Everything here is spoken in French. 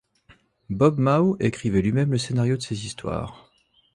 Bob Mau écrivait lui-même le scénario de ses histoires.